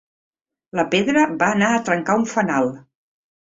La pedra va anar a trencar un fanal.